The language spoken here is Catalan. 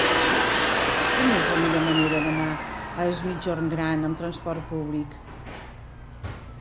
Quina és la millor manera d'anar a Es Migjorn Gran amb transport públic?